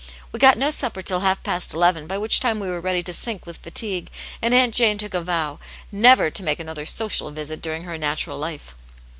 We got no supper till half past eleven, by which time we were ready to sink with fatigue, and Aunt Jane took a vow never to make another 'social* visit during her natural life."